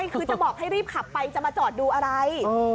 คือจะบอกให้รีบขับไปจะมาจอดดูอะไร